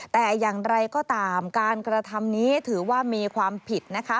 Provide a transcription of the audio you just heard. แต่อย่างไรก็ตามการกระทำนี้ถือว่ามีความผิดนะคะ